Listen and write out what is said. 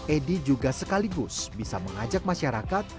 edy juga sekaligus bisa mengajak anak anak